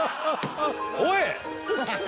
おい！